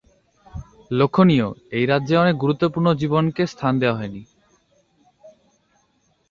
লক্ষণীয়, এই রাজ্যে অনেক গুরুত্বপূর্ণ জীবকে স্থান দেয়া হয়নি।